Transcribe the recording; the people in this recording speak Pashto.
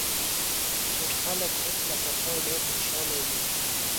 چې خلک اوس له پخوا ډېر خوشاله وي